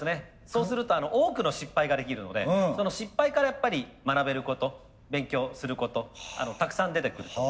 そうすると多くの失敗ができるのでその失敗からやっぱり学べること勉強することたくさん出てくると。